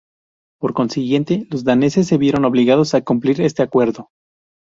Por consiguiente, los daneses se vieron obligados a cumplir este acuerdo.